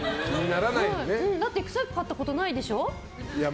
だって臭かったことないでしょ？